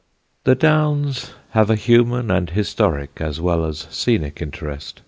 The Downs have a human and historic as well as scenic interest.